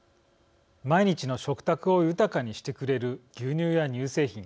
毎日の食卓を豊かにしてくれる牛乳や乳製品。